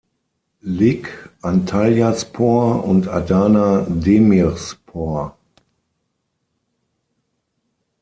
Lig Antalyaspor und Adana Demirspor.